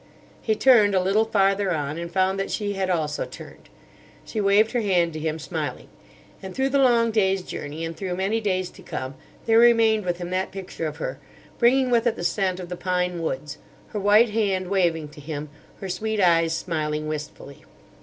He turned, a little farther on, and found that she had also turned. She waved her hand to him, smiling. And through the long day's journey and through many days to come there remained with him that picture of her, bringing with it the scent of the pine woods: her white hand waving to him, her sweet eyes smiling wistfully.